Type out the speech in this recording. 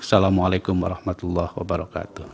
assalamu alaikum warahmatullahi wabarakatuh